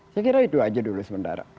saya kira itu aja dulu sementara